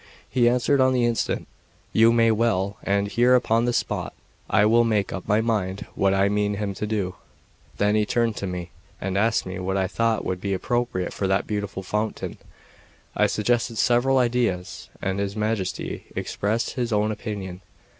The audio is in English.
He answered on the instant: "You say well, and here upon the spot I will make up my mind what I mean him to do." Then he turned to me, and asked me what I thought would be appropriate for that beautiful fountain. I suggested several ideas, and his Majesty expressed his own opinion.